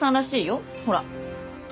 ほら。